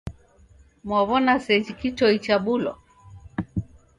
Mwaw'ona sejhi kitoi chabulwa?